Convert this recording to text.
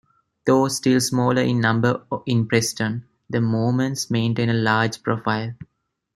Though still small in number in Preston, the Mormons maintain a large profile.